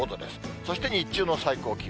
そして、日中の最高気温。